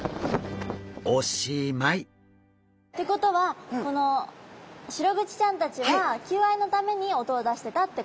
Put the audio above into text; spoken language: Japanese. ってことはシログチちゃんたちは求愛のために音を出してたってことですね。